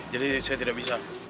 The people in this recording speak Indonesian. jadi saya tidak bisa